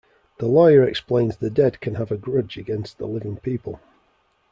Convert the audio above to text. The lawyer explains the dead can have a grudge against the living people.